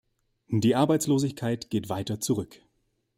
Die Arbeitslosigkeit geht weiter zurück.